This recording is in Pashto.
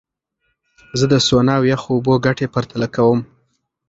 زه د سونا او یخو اوبو ګټې پرتله کوم.